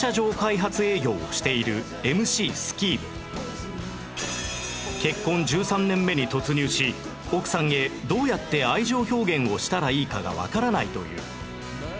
続いては結婚１３年目に突入し奥さんへどうやって愛情表現をしたらいいかがわからないという